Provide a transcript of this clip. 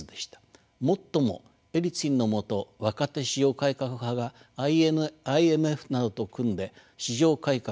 もっともエリツィンのもと若手市場改革派がＩＭＦなどと組んで市場改革